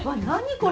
これ。